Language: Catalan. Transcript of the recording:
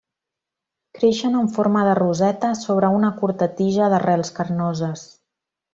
Creixen en forma de roseta sobre una curta tija d'arrels carnoses.